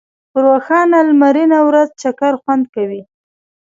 په روښانه لمرینه ورځ چکر خوند کوي.